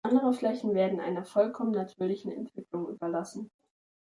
Andere Flächen werden einer vollkommen natürlichen Entwicklung überlassen.